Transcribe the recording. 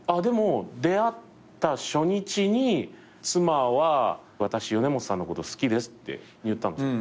でも出会った初日に妻は「私米本さんのこと好きです」って言ったの。